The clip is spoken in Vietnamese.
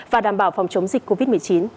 và đảm bảo phòng chống dịch covid một mươi chín